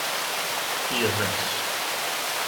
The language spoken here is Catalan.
I res.